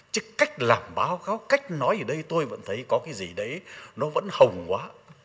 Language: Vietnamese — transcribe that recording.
chứ cách làm báo cáo cách nói ở đây tôi vẫn thấy có cái gì đấy nó vẫn hồng quá